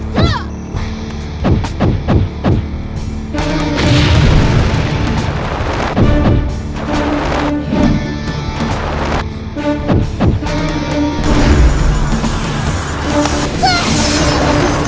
sekarang malam healing undi kerajaan